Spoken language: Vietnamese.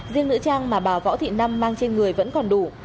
riêng nữ trang mà bà võ thị năm mang trên người vẫn còn đủ